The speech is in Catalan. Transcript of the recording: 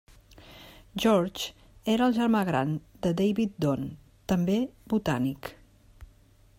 George era el germà gran de David Don, també botànic.